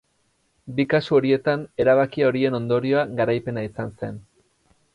Bi kasu horietan erabaki horien ondorioa garaipena izan zen.